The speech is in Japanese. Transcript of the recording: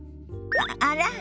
あら？